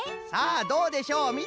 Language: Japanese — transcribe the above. さあどうでしょう？